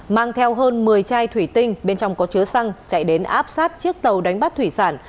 mang theo hơn một mươi chai thủy tinh bên trong có chứa xăng chạy đến áp sát chiếc tàu đánh bắt thủy sản